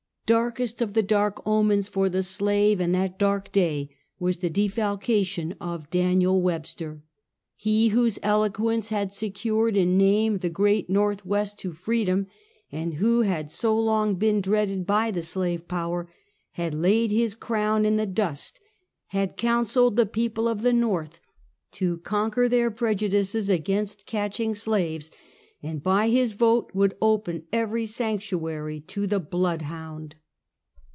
Darkest of the dark omens for the slave, in that dark day, was the defalcation of Daniel "Webster. He whose eloquence had secured in name the great ITorth west to freedom, and who had so long been dreaded by the slave power, had laid his crown in the dust; had counseled the people of the ISTorth to conquer their prejudices against catching slaves, and by his vote would open every sanctuary to the bloodhound.